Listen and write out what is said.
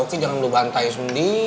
uki jangan lo bantai sendiri